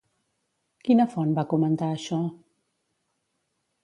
Quina font va comentar això?